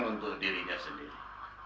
untuk dirinya sendiri